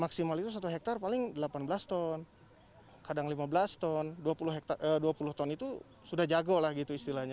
maksimal itu satu hektar paling delapan belas ton kadang lima belas ton dua puluh ton itu sudah jago lah gitu istilahnya